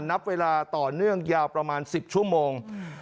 นับเวลาต่อเนื่องยาวประมาณ๑๐ชั่วโมง